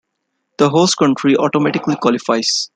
The host country automatically qualifies.